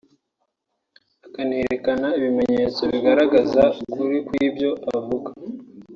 akanerekana ibimenyetso bigaragaza ukuri kw’ibyo avuga